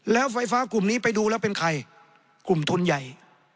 แล้วไฟฟ้ากลุ่มนี้ไปดูแล้วเป็นใครกลุ่มทุนใหญ่